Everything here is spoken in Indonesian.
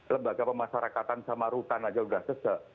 lembaga pemasarakatan sama rutan aja udah sesek